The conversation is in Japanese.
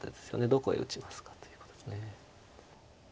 どこへ打ちますかということです。